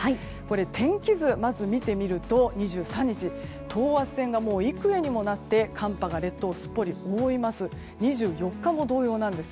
天気図、まず見てみると２３日ですが等圧線が幾重にもなって寒波が列島をすっぽり覆います。